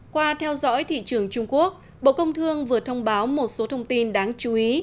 qua theo dõi thị trường trung quốc bộ công thương vừa thông báo một số thông tin đáng chú ý